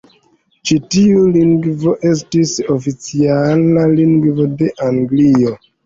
Ĉi tiu lingvo estis oficiala lingvo de Anglio.